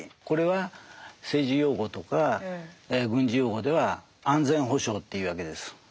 これは政治用語とか軍事用語では安全保障というわけです。